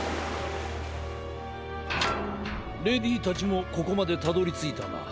レディーたちもここまでたどりついたな。